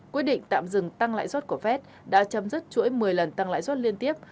quyết định tạm dừng tăng lãi xuất của phép đã chấm dứt chuỗi một mươi lần tăng lãi xuất liên tiếp